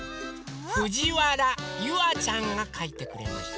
ふじわらゆあちゃんがかいてくれました。